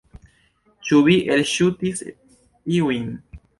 Ĉu vi elŝutis iujn?